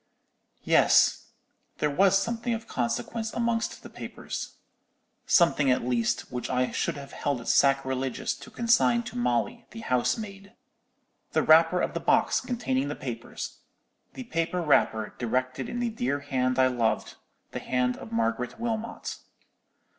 "Yes, there was something of consequence amongst the papers—something, at least, which I should have held it sacrilegious to consign to Molly, the housemaid—the wrapper of the box containing the diamonds; the paper wrapper, directed in the dear hand I loved, the hand of Margaret Wilmot.